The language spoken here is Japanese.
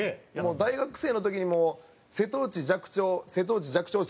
大学生の時にもう「瀬戸内寂聴瀬戸内寂聴ちゃう」とか。